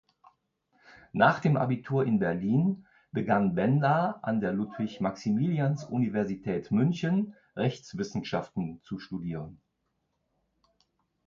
Nach dem Abitur in Berlin begann Benda an der Ludwig-Maximilians-Universität München Rechtswissenschaften zu studieren.